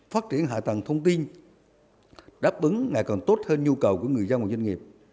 phát triển hạ tầng thông tin đáp ứng ngày còn tốt hơn nhu cầu của người dân và doanh nghiệp